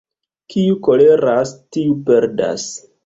Kiu koleras, tiu perdas.